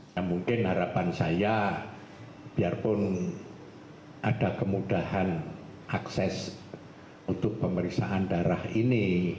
ya mungkin harapan saya biarpun ada kemudahan akses untuk pemeriksaan darah ini